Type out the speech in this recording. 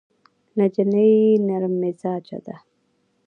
نجلۍ نرم مزاجه ده.